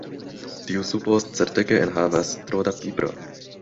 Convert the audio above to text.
Tiu supo certege enhavas tro da pipro.